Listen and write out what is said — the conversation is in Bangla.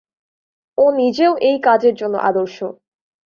ও নিজেও এই কাজের জন্য আদর্শ।